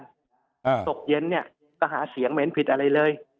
ตกเย็นเนี่ยก็หาเสียงไม่เห็นผิดอะไรเลย